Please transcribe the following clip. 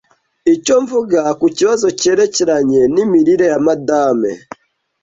Icyo Mvuga ku Kibazo Cyerekeranye n’Imirire ya Madame